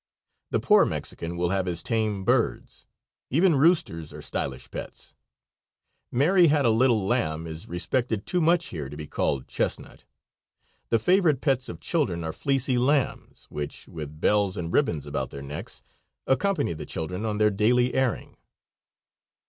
The poor Mexican will have his tame birds; even roosters are stylish pets. "Mary had a little lamb" is respected too much here to be called "chestnut." The favorite pets of children are fleecy lambs, which, with bells and ribbons about their necks, accompany the children on their daily airing.